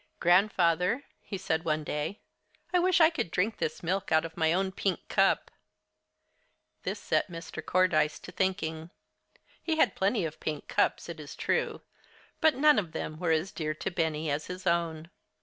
"Grandfather," he said one day, "I wish I could drink this milk out of my own pink cup!" This set Mr. Cordyce to thinking. He had plenty of pink cups, it is true, but none of them were as dear to Benny as his own.